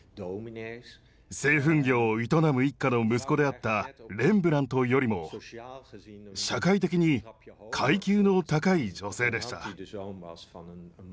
製粉業を営む一家の息子であったレンブラントよりも社会的に階級の高い女性でした。